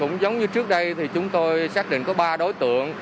cũng giống như trước đây thì chúng tôi xác định có ba đối tượng